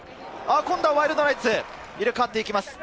今度はワイルドナイツ、入れ替わっていきます。